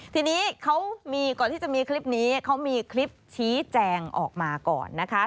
ทีนี้เขามีก่อนที่จะมีคลิปนี้เขามีคลิปชี้แจงออกมาก่อนนะคะ